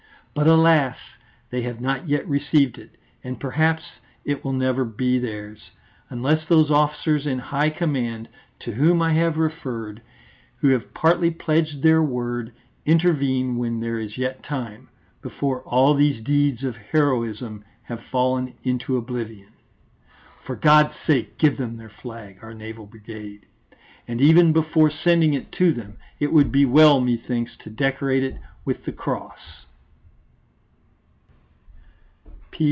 But alas! they have not yet received it, and perhaps it will never be theirs, unless those officers in high command, to whom I have referred, who have partly pledged their word, intervene while there is yet time, before all these deeds of heroism have fallen into oblivion. For God's sake give them their flag, our Naval Brigade! And even before sending it to them it would be well, methinks, to decorate it with the Cross.